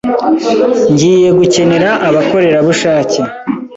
Ngiye gukenera abakorerabushake.